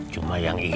cuma yang ini nih